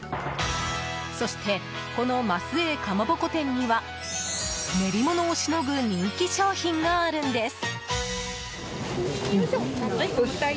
そして、この増英蒲鉾店には練り物をしのぐ人気商品があるんです。